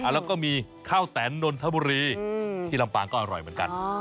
แล้วก็มีข้าวแตนนทบุรีที่ลำปางก็อร่อยเหมือนกัน